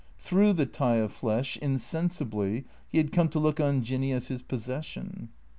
Through the tie of flesh, insensibly, he had come to look on Jinny as his possession.